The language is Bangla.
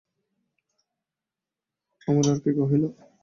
আমার আর কে রহিল?